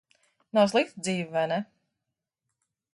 Nav slikta dzīve, vai ne?